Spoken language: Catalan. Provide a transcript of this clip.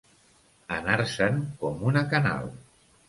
Anar-se'n com una canal.